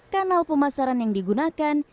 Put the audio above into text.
kanal pemasaran yang digunakan